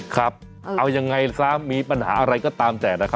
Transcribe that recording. ครับเอายังไงซ้ำมีปัญหาอะไรก็ตามแจกนะคะ